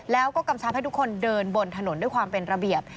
แล้วก็กำชับให้ทุกคนเดินบนถนนด้วยความเป็นระเบียบ